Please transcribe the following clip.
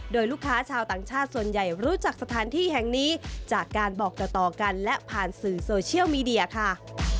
โดยลูกค้าชาวต่างชาติส่วนใหญ่รู้จักสถานที่แห่งนี้จากการบอกต่อกันและผ่านสื่อโซเชียลมีเดียค่ะ